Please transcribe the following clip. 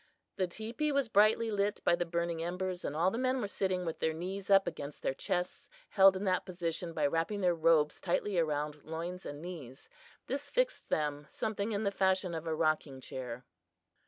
The teepee was brightly lit by the burning embers, and all the men were sitting with their knees up against their chests, held in that position by wrapping their robes tightly around loins and knees. This fixed them something in the fashion of a rocking chair.